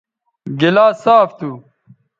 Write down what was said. گلاس صاف تھو